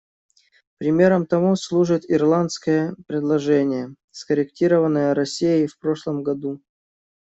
Примером тому служит ирландское предложение, скорректированное Россией в прошлом году.